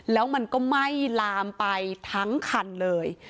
แล้วมันก็ไหม้ลามไปทั้งคันเลย